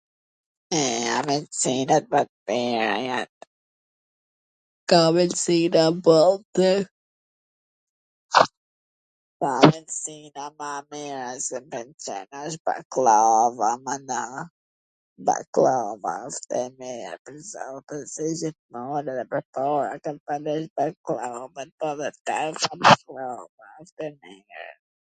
E ambwlsinat ma t mira jan... Ka ambwlsina boll,... ka ambwlsina ma t mira qw m pwlqejn, ene wsht bakllava, mana, bakllava, wsht e mir, se ... si gjithmon edhe pwrpara ka pas qen bakllava... [???]